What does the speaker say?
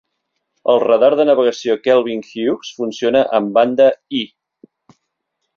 El radar de navegació Kelvin Hughes funciona amb banda I.